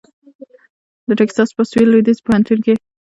د ټیکساس په سوېل لوېدیځ پوهنتون کې